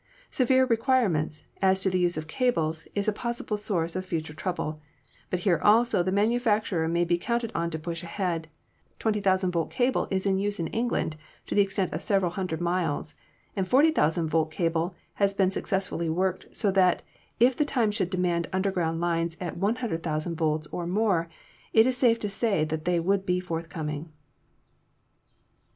Severe requirements as to the use of cables is a possible source of future trouble, but here also the manu facturer may be counted on to push ahead; 20,000 volt cable is in use in England to the extent of several hundred miles, and 40,000 volt cable has been successfully worked, so that if the time should demand underground lines at 100,000 volts or more it is safe to say that they would be forthcoming."